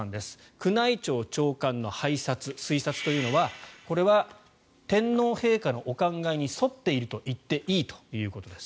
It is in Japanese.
宮内庁長官の拝察、推察というのはこれは天皇陛下のお考えに沿っていると言っていいということです。